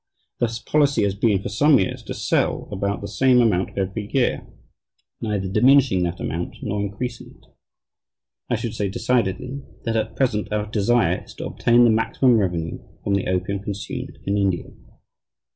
The policy has been for some time to sell about the same amount every year, neither diminishing that amount nor increasing it. I should say decidedly, that at present our desire is to obtain the maximum revenue from the opium consumed in India."